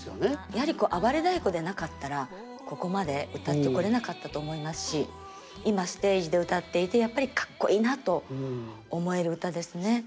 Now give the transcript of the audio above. やはり「あばれ太鼓」でなかったらここまで歌ってこれなかったと思いますし今ステージで歌っていてやっぱりかっこいいなと思える歌ですね。